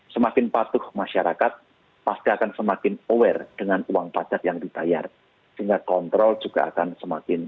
semakin patuh masyarakat pasti akan semakin aware dengan uang pajak yang dibayar sehingga kontrol juga akan semakin